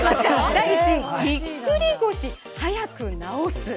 第１位「ぎっくり腰早く治す」。